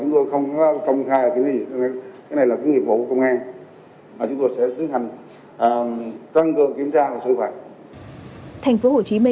cái này là cái nghiệp vụ của công an mà chúng tôi sẽ tiến hành tăng cường kiểm tra và xử phạt